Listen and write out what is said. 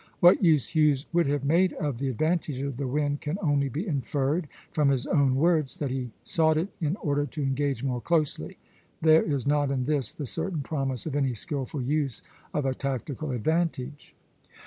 What use Hughes would have made of the advantage of the wind can only be inferred from his own words, that he sought it in order to engage more closely. There is not in this the certain promise of any skilful use of a tactical advantage.